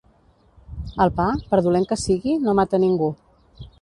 El pa, per dolent que sigui, no mata ningú.